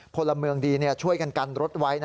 พลเมืองดีช่วยกันกันรถไว้